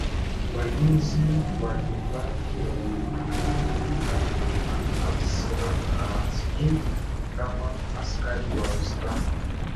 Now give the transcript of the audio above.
Walinzi wa nyumbani walitambulika rasmi kama askari wa usalama